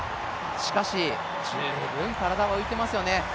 しかし十分体は浮いていますよね。